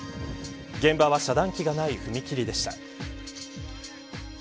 現場は、遮断機がない踏切でした。